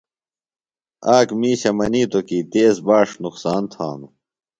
آک مِیشہ منِیتوۡ کی تیز باݜ نقصان تھانوۡ۔